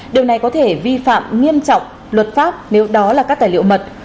điều này có thể vi phạm nghiêm trọng luật pháp nếu đó là các tài liệu mật